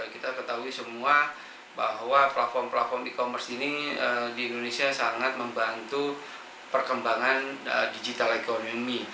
kita ketahui semua bahwa platform platform e commerce ini di indonesia sangat membantu perkembangan digital economy